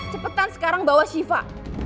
cepetan sekarang bawa syifa